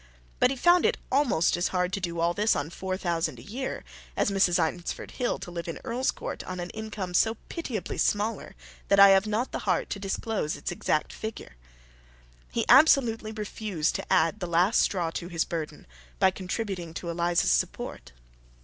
But he found it almost as hard to do all this on four thousand a year as Mrs. Eynsford Hill to live in Earlscourt on an income so pitiably smaller that I have not the heart to disclose its exact figure. He absolutely refused to add the last straw to his burden by contributing to Eliza's support.